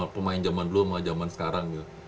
pemain zaman dulu sama zaman sekarang gitu